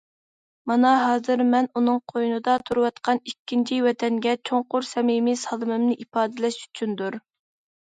مانا ھازىر مەن ئۇنىڭ قوينىدا تۇرۇۋاتقان ئىككىنچى ۋەتەنگە چوڭقۇر سەمىمىي سالىمىمنى ئىپادىلەش ئۈچۈندۇر.